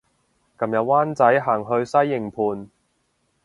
琴日灣仔行去西營盤